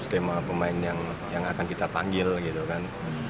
skema pemain yang akan kita panggil gitu kan